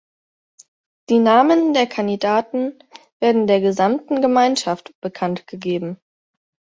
Die Namen der Kandidaten werden der gesamten Gemeinschaft bekanntgegeben.